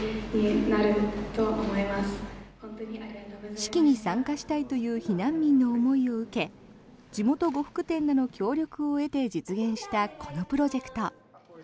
式に参加したいという避難民の思いを受け地元呉服店らの協力を得て実現したこのプロジェクト。